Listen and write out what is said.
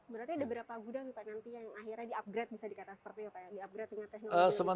berarti ada beberapa gudang pak nanti yang akhirnya di upgrade bisa dikatakan seperti apa ya pak